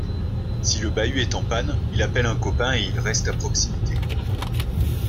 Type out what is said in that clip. Si le bahut est en panne, il appelle un copain et il reste à proximité.